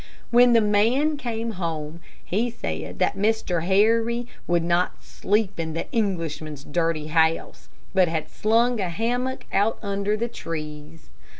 When the man came home, he said that Mr. Harry would not sleep in the Englishman's dirty house, but had slung a hammock out under the trees.